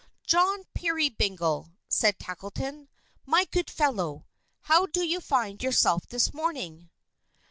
"John Peerybingle!" said Tackleton. "My good fellow, how do you find yourself this morning?"